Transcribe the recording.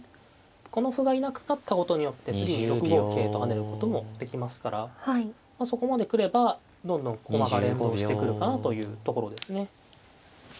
この歩がいなくなったことによって次に６五桂と跳ねることもできますからそこまで来ればどんどん駒が連動してくるかなというところですね。